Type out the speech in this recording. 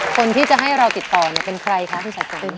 คนที่จะให้เราติดต่อเป็นใครครับ